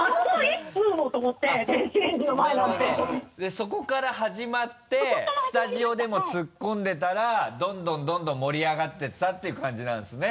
そこから始まってスタジオでも突っ込んでたらどんどん盛り上がっていったっていう感じなんですね。